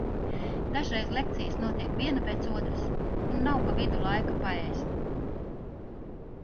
Dažreiz lekcijas notiek viena pēc otras un nav pa vidu laika paēst.